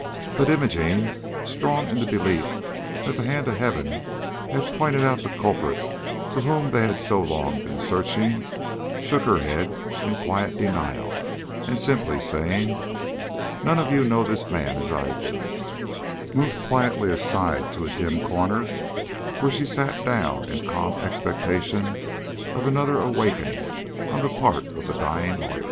But Imogene, strong in the belief that the hand of Heaven had pointed out the culprit for whom they had so long been searching, shook her head in quiet denial, and simply saying, "None of you know this man as I do," moved quietly aside to a dim corner, where she sat down in calm expectation of another awakening on the part of the dying lawyer.